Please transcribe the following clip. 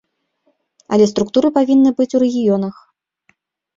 Але структуры павінны быць у рэгіёнах.